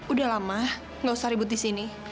udah lama gak usah ribut disini